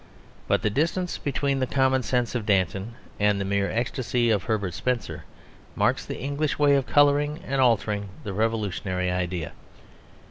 But the distance between the common sense of Danton and the mere ecstasy of Herbert Spencer marks the English way of colouring and altering the revolutionary idea.